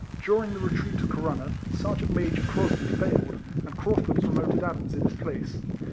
During the retreat to Corunna, Sergeant Major Crosby failed, and Craufurd promoted Adams in his place.